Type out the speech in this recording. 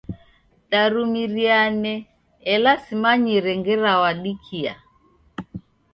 Darumiriane ela simanyire ngera wadikia.